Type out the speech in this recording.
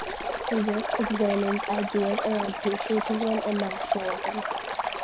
The work examines ideas around patriotism and nationalism.